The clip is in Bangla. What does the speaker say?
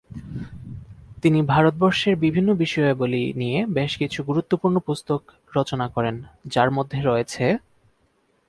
তিনি ভারতবর্ষের বিভিন্ন বিষয়াবলী নিয়ে বেশ কিছু গুরুত্বপূর্ণ পুস্তক রচনা করেন, যার মধ্যে রয়েছেঃ